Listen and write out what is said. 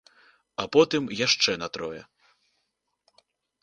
А потым яшчэ на трое.